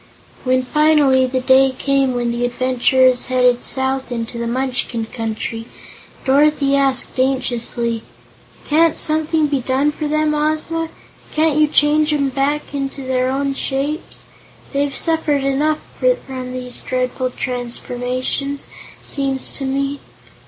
When, finally, the day came when the adventurers headed south into the Munchkin Country, Dorothy asked anxiously: "Can't something be done for them, Ozma? Can't you change 'em back into their own shapes? They've suffered enough from these dreadful transformations, seems to me."